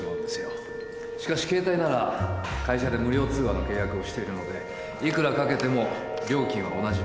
しかし携帯なら会社で無料通話の契約をしているのでいくらかけても料金は同じなんです。